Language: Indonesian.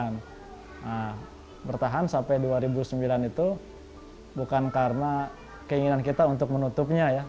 nah bertahan sampai dua ribu sembilan itu bukan karena keinginan kita untuk menutupnya ya